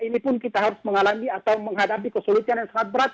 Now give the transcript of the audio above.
ini pun kita harus mengalami atau menghadapi kesulitan yang sangat berat